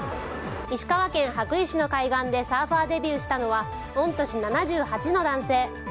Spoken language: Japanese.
石川県羽咋市の海岸でサーファーデビューしたのは御年７８の男性。